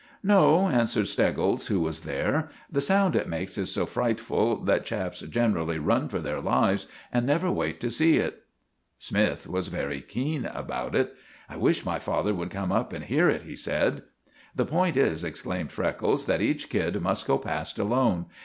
"No," answered Steggles, who was there. "The sound it makes is so frightful that chaps generally run for their lives, and never wait to see it." Smythe was very keen about it. "I wish my father would come up and hear it," he said. "The point is," explained Freckles, "that each kid must go past alone.